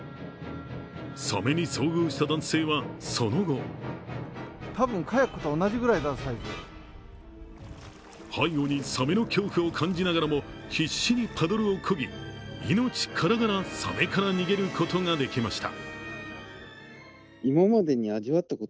サメに遭遇した男性は、その後背後にサメの恐怖を感じながらも必至にパドルをこぎ、命からがらサメから逃げることができました。